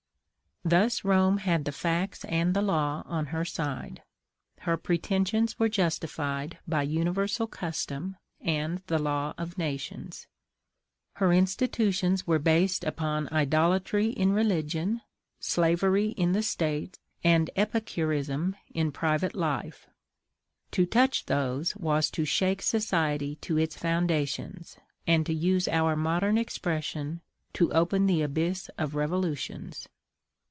Thus Rome had the facts and the law on her side. Her pretensions were justified by universal custom and the law of nations. Her institutions were based upon idolatry in religion, slavery in the State, and epicurism in private life; to touch those was to shake society to its foundations, and, to use our modern expression, to open the abyss of revolutions.